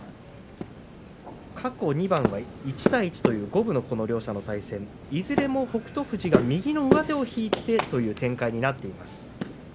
過去２番は１対１という五分の両者の対戦ですいずれも北勝富士が、右の上手を引いてという展開になっています。